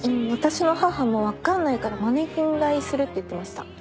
私の母もわかんないからマネキン買いするって言ってました。